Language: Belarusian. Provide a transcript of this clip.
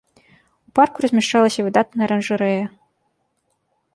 У парку размяшчалася выдатная аранжарэя.